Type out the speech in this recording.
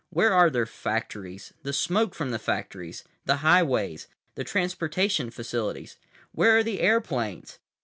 "Where are their factories? The smoke from their factories? The highways? The transportation facilities? Where are the airplanes?